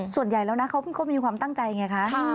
ส่วนใหญ่แล้วค้าก็มีความตั้งใจไงคะ